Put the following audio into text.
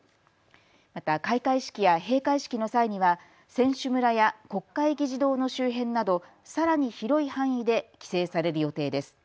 また開会式や閉会式の際には選手村や国会議事堂の周辺などさらに広い範囲で規制される予定です。